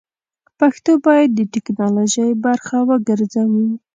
پښتو بايد د ټيکنالوژۍ برخه وګرځوو!